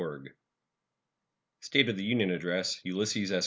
71 State of the Union Address Ulysses S.